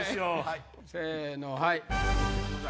せのはい。